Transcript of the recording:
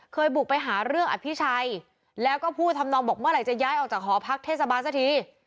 บุกไปหาเรื่องอภิชัยแล้วก็พูดทำนองบอกเมื่อไหร่จะย้ายออกจากหอพักเทศบาลสักที